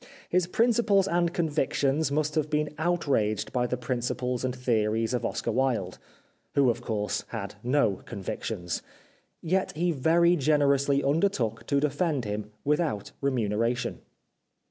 His principles and convictions must have been outraged by the principles and theories of Oscar Wilde (who, of course, had no convictions) yet he very generously undertook to defend him without remuneration.